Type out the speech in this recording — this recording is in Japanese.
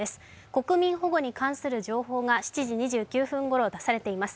国民保護に関する情報が７時２９分ごろ出されています。